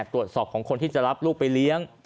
ตรวจสอบของคนที่จะรับลูกไปเลี้ยง